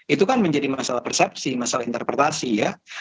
itu kan menjadi masalah persepsi masalah interpretasi ya